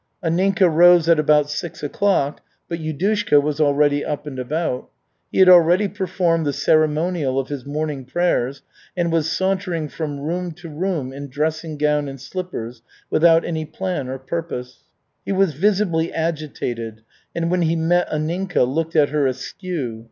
Anninka rose at about six o'clock, but Yudushka was already up and about. He had already performed the ceremonial of his morning prayers, and was sauntering from room to room in dressing gown and slippers without any plan or purpose. He was visibly agitated, and when he met Anninka looked at her askew.